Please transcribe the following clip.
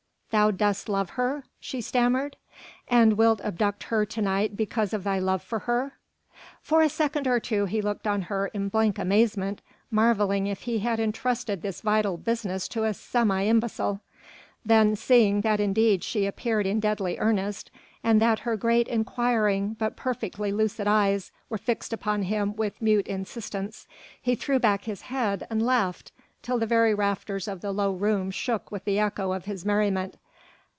"Thou dost love her?" she stammered, "and wilt abduct her to night because of thy love for her?" For a second or two he looked on her in blank amazement, marvelling if he had entrusted this vital business to a semi imbecile. Then seeing that indeed she appeared in deadly earnest, and that her great, inquiring but perfectly lucid eyes were fixed upon him with mute insistence, he threw back his head and laughed till the very rafters of the low room shook with the echo of his merriment.